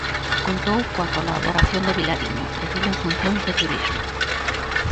Contou coa colaboración de Vilariño, edil en funcións de Turismo.